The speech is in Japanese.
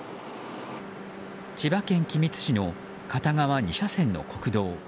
千葉県君津市の片側２車線の国道。